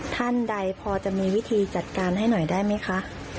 ท่านใดพอจะมีวิธีจัดการให้หน่อยได้ไหมคะ